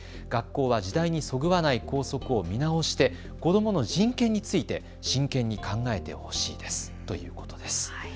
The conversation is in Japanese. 学校は時代にそぐわない校則を見直して子どもの人権について真剣に考えてほしいですということです。